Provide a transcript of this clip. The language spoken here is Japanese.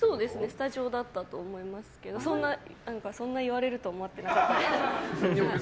スタジオだったと思いますけどそんな言われるとは思ってなかったです。